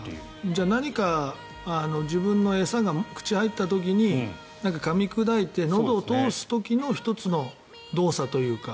じゃあ、何か自分の餌が口に入った時にかみ砕いて、のどを通す時の１つの動作というか。